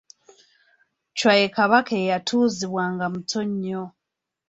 Chwa ye Kabaka eyatuuzibwa nga muto nnyo.